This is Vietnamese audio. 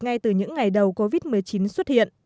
ngay từ những ngày đầu covid một mươi chín xuất hiện